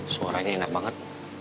suaranya enak banget